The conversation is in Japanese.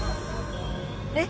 えっ？